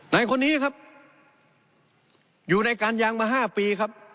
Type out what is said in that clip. ในครับอยู่ในการยางมาห้าปีครับ